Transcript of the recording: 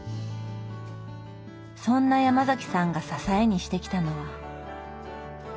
そんなヤマザキさんが支えにしてきたのは。